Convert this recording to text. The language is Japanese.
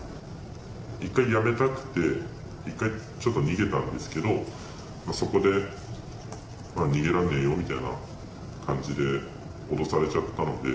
１回やめたくて、１回ちょっと逃げたんですけど、そこで、逃げらんねぇよみたいな感じで脅されちゃったので。